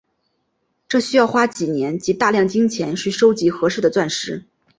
这需要花几年及大量金钱去收集合适的钻石。